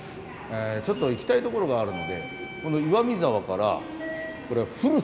ちょっと行きたい所があるので岩見沢から古山という駅